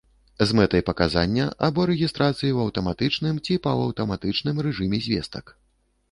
З мэтай паказання або рэгістрацыі ў аўтаматычным ці паўаўтаматычным рэжыме звестак